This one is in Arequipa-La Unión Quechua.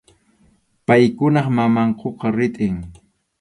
Paykunap mamankuqa ritʼim.